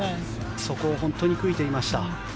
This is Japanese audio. そこを本当に悔いていました。